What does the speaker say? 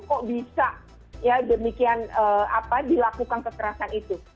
kok bisa ya demikian dilakukan kekerasan itu